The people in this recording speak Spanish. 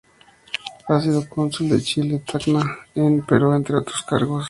Ha sido Cónsul de Chile en Tacna en Perú entre otros cargos.